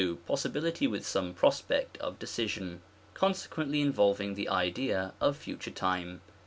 n. Possibility with some prospect of decision ; con sequently involving the idea of Future time.